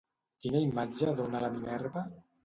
Quina imatge dona la Minerva?